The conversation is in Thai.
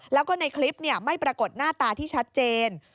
แล้วก็ในคลิปไม่ปรากฏหน้าตาที่ชัดเจน